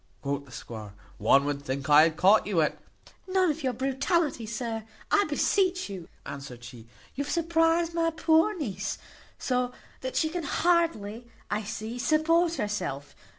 quoth the squire; "one would think I had caught you at " "None of your brutality, sir, I beseech you," answered she. "You have surprized my poor niece so, that she can hardly, I see, support herself.